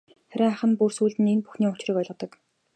Харин ах нь бүр сүүлд энэ бүхний учрыг ойлгодог.